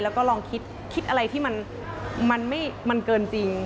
แล้วก็ลองคิดอะไรที่มันเกินจริง